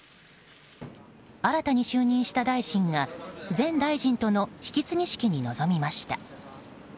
新たに就任した大臣が前大臣との引き継ぎ式に臨みました。